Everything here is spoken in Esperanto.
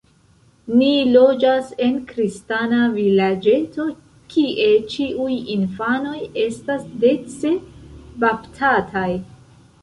Ni loĝas en kristana vilaĝeto, kie ĉiuj infanoj estas dece baptataj.